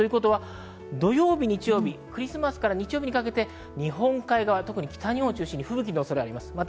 土曜日、日曜日、クリスマスから日曜日にかけて日本海側、特に北日本を中心に吹雪の恐れがあります。